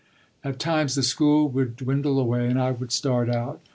At times the school would dwindle away, and I would start out.